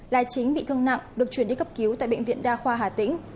là chính bị thương nặng được chuyển đi cấp cứu tại bệnh viện đa khoa hà tĩnh